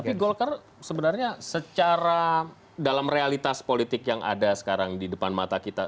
tapi golkar sebenarnya secara dalam realitas politik yang ada sekarang di depan mata kita